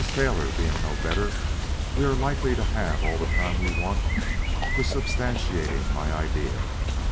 Taylor being no better, we are likely to have all the time we want for substantiating my idea.